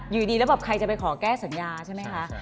อยู่ดีแล้วแบบใครจะไปขอแก้สัญญาใช่ไหมคะ